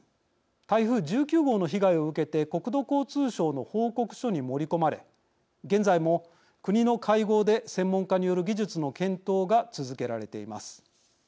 台風１９号の被害を受けて国土交通省の報告書に盛り込まれ現在も国の会合で専門家による技術の検討が続けられています。